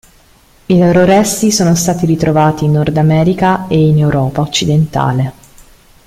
I loro resti sono stati ritrovati in Nordamerica e in Europa occidentale.